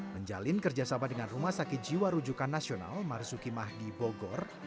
menjalin kerjasama dengan rumah sakit jiwa rujukan nasional marzuki mahdi bogor